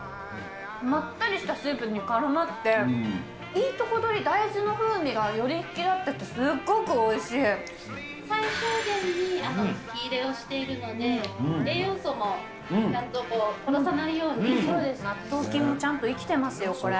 まったりしたスープにからまって、いいとこ取り、大豆の風味が、より引き立ってて、すっごくおい最小限に火入れをしているので、納豆菌もちゃんと生きてますよ、これ。